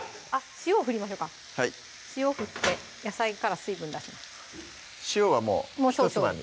塩を振りましょうか塩振って野菜から水分出します塩はもうひとつまみ？